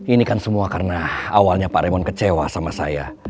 ini kan semua karena awalnya pak remon kecewa sama saya